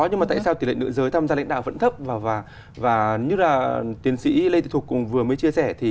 nhưng tại sao tỷ lệ nữ giới tham gia lãnh đạo vẫn thấp và như tiến sĩ lê thị thuộc vừa mới chia sẻ